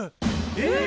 えっ！？